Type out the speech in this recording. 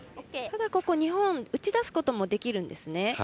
ただ、ここ日本は打ち出すこともできるんですね。